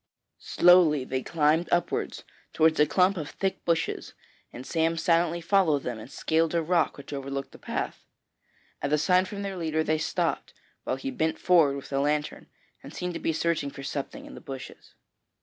Slowly they climbed upwards towards a clump of thick bushes, and Sam silently followed them and scaled a rock which overlooked the path. At a sign from their leader they stopped, while he bent forward with the lantern, and seemed to be searching for something in the bushes.